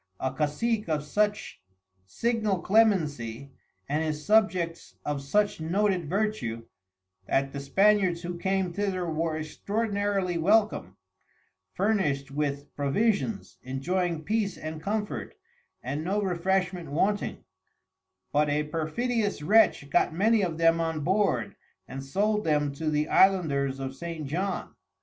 A Cacic of such signal Clemency, and his Subjects of such noted Vertue, that the Spaniards who came thither, were extraordinarily welcom, furnished with Provisions, enjoying Peace and Comfort, and no Refreshment wanting: But a perfidious Wretch got many of them on board, and sold them to the Islanders of St. John.